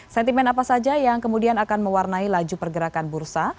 sentimen apa saja yang kemudian akan mewarnai laju pergerakan bursa